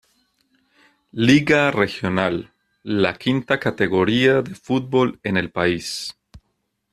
Liga Regional, la quinta categoría de fútbol en el país.